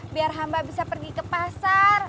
biar hamba bisa pergi ke pasar